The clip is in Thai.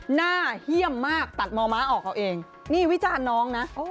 เยี่ยมมากตัดมอม้าออกเอาเองนี่วิจารณ์น้องนะ